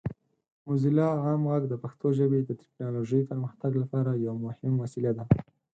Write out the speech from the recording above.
موزیلا عام غږ د پښتو ژبې د ټیکنالوجۍ پرمختګ لپاره یو مهم وسیله ده.